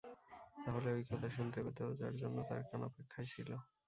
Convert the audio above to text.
তাহলে ঐ কথা শুনতে পেতো, যার জন্য তার কান অপেক্ষায় ছিলো!